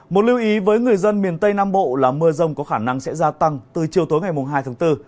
một lưu ý với người dân miền tây nam bộ là mưa rông có khả năng sẽ gia tăng từ chiều tối ngày hai tháng bốn